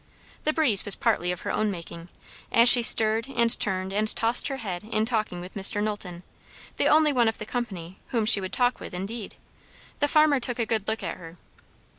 The breeze was partly of her own making, as she stirred and turned and tossed her head in talking with Mr. Knowlton; the only one of the company whom she would talk with, indeed. The farmer took a good look at her.